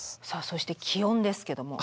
そして気温ですけども。